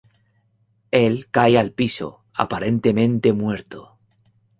Él cae al piso, aparentemente muerto.